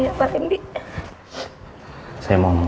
dateng nik aktuell